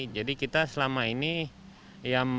jadi kita selama ini ya mengeluarkan